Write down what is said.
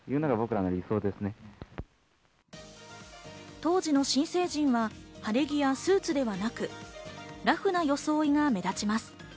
当時の新成人は晴れ着やスーツではなく、ラフな装いが目立ちます。